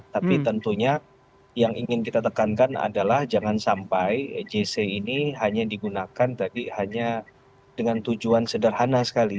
tapi tentunya yang ingin kita tekankan adalah jangan sampai jc ini hanya digunakan tadi hanya dengan tujuan sederhana sekali